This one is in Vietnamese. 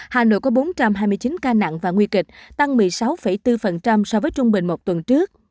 hà nội có bốn trăm hai mươi chín ca nặng và nguy kịch tăng một mươi sáu bốn so với trung bình một tuần trước